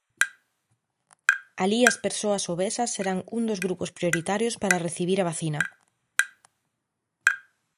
Alí as persoas obesas serán un dos grupos prioritarios para recibir a vacina.